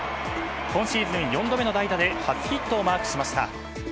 今シーズン４度目の代打で初ヒットをマークしました。